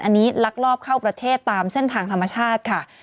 อันนี้ลักลอบเข้าประเทศตามเส้นทางธรรมชาติค่ะ